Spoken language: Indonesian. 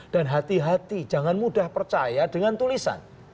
dan hati hati jangan mudah percaya dengan tulisan